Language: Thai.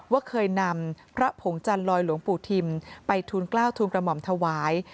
ว่าเคยนำพระผงจันรอยหลวงปุถิมไปทุนกล้าวทุนกระบอมถวาย